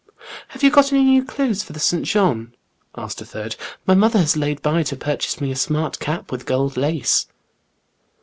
" Have you got any new clothes for the S. Jean?" asked a third ;'* my mother has laid by to purchase me a smart cap with gold lace."